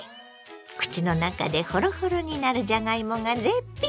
口の中でほろほろになるじゃがいもが絶品。